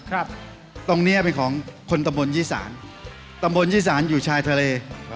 ตรงเนี้ยเป็นของคนตำบลยี่สานตำบลยี่สานอยู่ชายทะเล